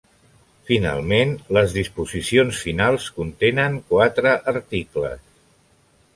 Finalment, les disposicions finals contenen quatre articles.